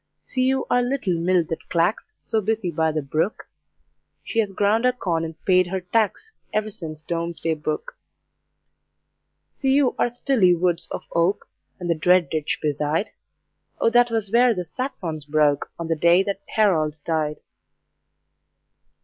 See you our little mill that clacks, So busy by the brook? She has ground her corn and paid her tax Ever since Domesday Book. See you our stilly woods of oak, And the dread ditch beside? O that was where the Saxons broke, On the day that Harold died.